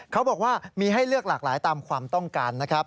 เขาบอกว่ามีให้เลือกหลากหลายตามความต้องการนะครับ